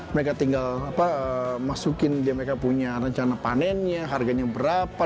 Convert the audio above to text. mereka tinggal masukin dia mereka punya rencana panennya harganya berapa